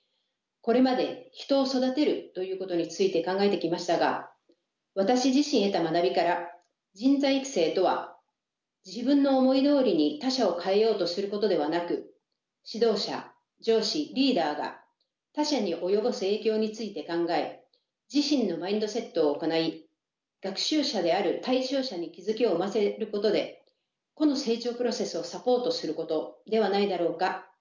これまで人を育てるということについて考えてきましたが私自身得た学びから人材育成とは自分の思いどおりに他者を変えようとすることではなく指導者上司リーダーが他者に及ぼす影響について考え自身のマインドセットを行い学習者である対象者に気付きを生ませることで個の成長プロセスをサポートすることではないだろうか。